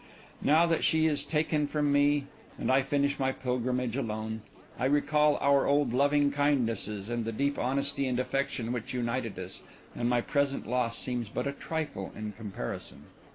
Now that she is taken from me, and I finish my pilgrimage alone, I recall our old lovingkindnesses and the deep honesty and affection which united us, and my present loss seems but a trifle in comparison.